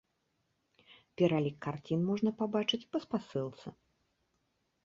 Пералік карцін можна пабачыць па спасылцы.